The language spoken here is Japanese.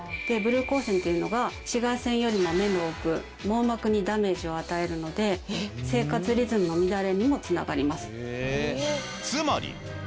でブルー光線っていうのが紫外線よりも目の奥網膜にダメージを与えるので生活リズムの乱れにも繋がります。